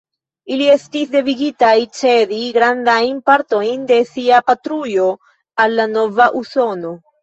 Ili estis devigitaj cedi grandajn partojn de sia patrujo al la nova Usono.